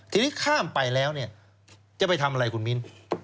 ทีนี้ข้ามไปแล้วเนี่ยจะไปทำอะไรคุณมิ้น